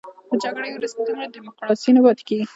تر جګړې وروسته دومره ډیموکراسي نه پاتې کېږي.